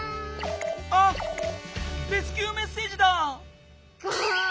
あレスキューメッセージだ！ガーン！